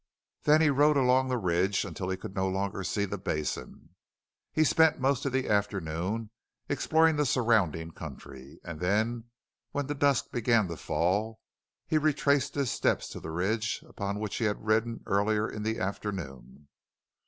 Then he rode along the ridge until he could no longer see the basin. He spent most of the afternoon exploring the surrounding country, and then when the dusk began to fall he retraced his steps to the ridge upon which he had ridden earlier in the afternoon.